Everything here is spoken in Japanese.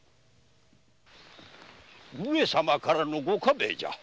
上様からのご下命じゃ！